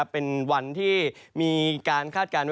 เป็นวันที่มีการคาดการณ์